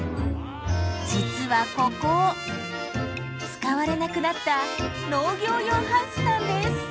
実はここ使われなくなった農業用ハウスなんです！